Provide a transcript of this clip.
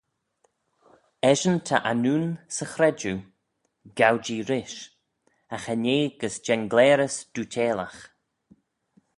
Eshyn ta annoon 'sy chredjue gow-jee rish, agh cha nee gys jengleyrys dooyteilagh.